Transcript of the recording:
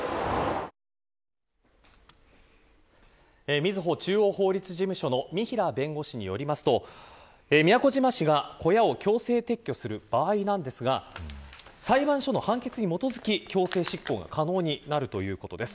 みずほ中央法律事務所の三平弁護士によりますと宮古島市が小屋を強制撤去する場合なんですが裁判所の判決に基づき強制執行が可能になるということです。